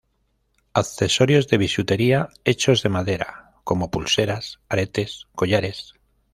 Accesorios de bisutería hechos de madera, como pulseras, aretes, collares.